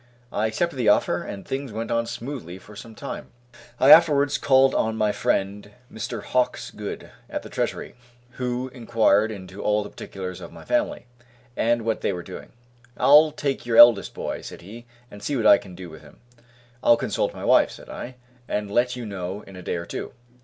I accepted the offer and things went on smoothly for some time. I afterwards called on my friend, Mr. Hawkesgood, at the Treasury, who inquired into all the particulars of my family, and what they were doing. "I'll take your eldest boy," said he, "and see what I can do with him." "I'll consult my wife," said I, "and let you know in a day or two."